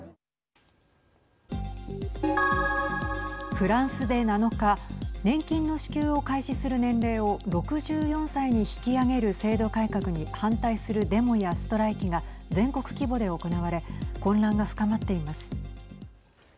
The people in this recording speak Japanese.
フランスで７日年金の支給を開始する年齢を６４歳に引き上げる制度改革に反対するデモやストライキが全国規模で行われ混乱が深まっています。